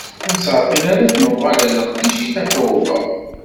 Ur nettɛeṭṭil ara ad d-nuɣal ar leqdic i Tatoeba.